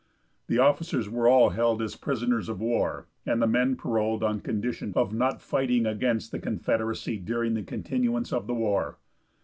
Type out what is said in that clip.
The officers were all held as prisoners of war, and the men paroled on condition of not fighting against the Confederacy during the continuance of the war.